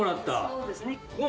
そうですね。